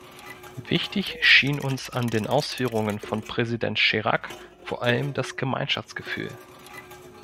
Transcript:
Wichtig schien uns an den Ausführungen von Präsident Chirac vor allem das Gemeinschaftsgefühl.